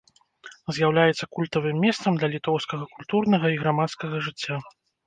З'яўляецца культавым месцам для літоўскага культурнага і грамадскага жыцця.